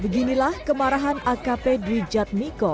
beginilah kemarahan akp dwijat miko